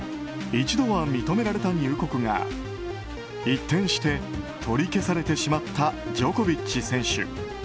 一度は認められた入国が一転して取り消されてしまったジョコビッチ選手。